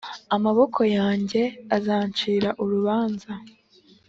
Amaboko yanjye azacira urubanza